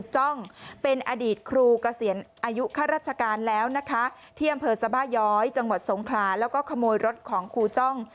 จังหวัดสงคราแล้วก็ขโมยรถของครูจ้อง